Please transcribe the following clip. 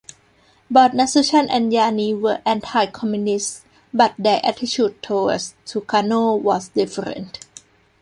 Both Nasution and Yani were anti-communists, but their attitude towards Sukarno was different.